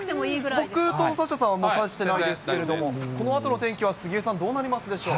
僕とサッシャさんはもう差してないですけど、このあとの天気は杉江さん、どうなりますでしょう。